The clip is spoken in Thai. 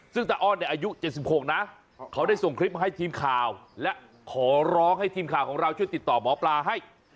ซึ่งตาอ้อนเนี่ยอายุ๗๖นะเขาได้ส่งคลิปให้ทีมข่าวและขอร้องให้ทีมข่าวของเราช่วยติดต่อหมอปลาให้